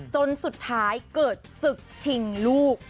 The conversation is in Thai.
จนสุดท้ายเกิดศึกชิงลูก